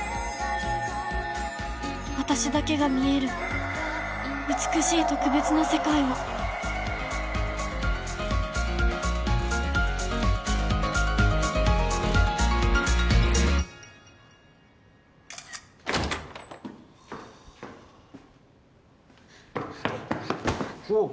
私だけが見える美しい特別な世界をおぉ！